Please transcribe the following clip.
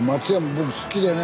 僕好きでね